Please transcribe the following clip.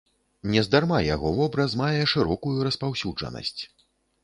Нездарма яго вобраз мае шырокую распаўсюджанасць.